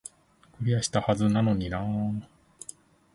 クリアしたはずなのになー